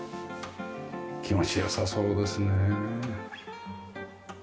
気持ち良さそうですね。